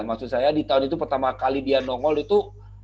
maksud saya di tahun itu pertama kali dia nongol itu